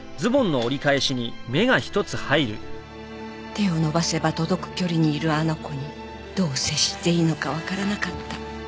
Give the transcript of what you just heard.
手を伸ばせば届く距離にいるあの子にどう接していいのかわからなかった。